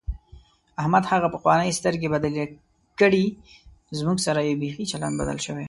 احمد هغه پخوانۍ سترګې بدلې کړې، زموږ سره یې بیخي چلند بدل شوی دی.